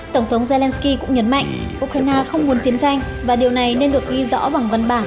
tổng thống zelensky cũng nhấn mạnh ukraine không muốn chiến tranh và điều này nên được ghi rõ bằng văn bản